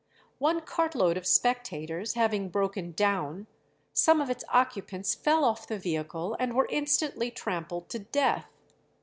One cart load of spectators having broken down, some of its occupants fell off the vehicle, and were instantly trampled to death.